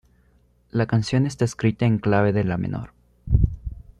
La canción está escrita en clave de la menor.